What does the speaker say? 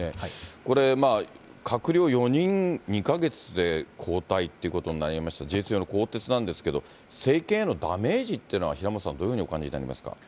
これ、閣僚４人、２か月で交代ってことになりますと、事実上の更迭なんですけど、政権へのダメージってのは、平本さん、どういうふうにお感じになりますか。